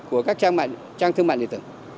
của các trang thương mạng điện tử